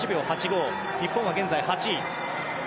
日本は現在８位。